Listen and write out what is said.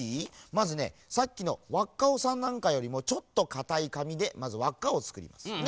まずねさっきのわっカオさんなんかよりもちょっとかたいかみでまずわっかをつくりますね。